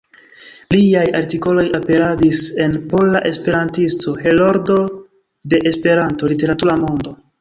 Liaj artikoloj aperadis en "Pola Esperantisto", "Heroldo de Esperanto", "Literatura Mondo".